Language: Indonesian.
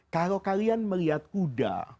kalau kalian melihat kuda